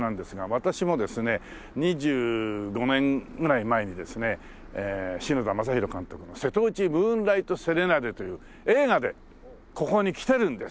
私もですね２５年ぐらい前にですね篠田正浩監督の『瀬戸内ムーンライト・セレナーデ』という映画でここに来てるんです。